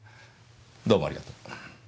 どうもありがとう。